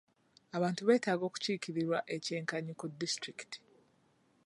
Abantu betaaga okukiikirirwa eky'enkanyi ku disiturikiti .